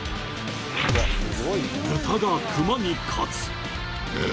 ブタがクマに勝つ。